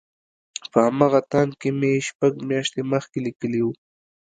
په همغه تاند کې مې شپږ مياشتې مخکې ليکلي وو.